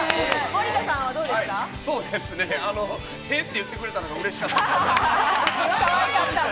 屁って言ってくれたのが、うれしかったです。